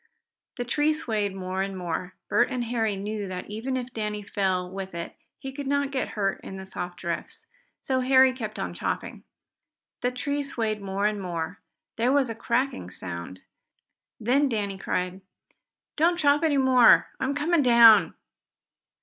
The tree swayed more and more. Bert and Harry knew that even if Danny fell with it he could not get hurt in the soft drifts. So Harry kept on chopping. The tree swayed more and more. There was a cracking sound. Then Danny cried: "Don't chop any more I'm coming down!"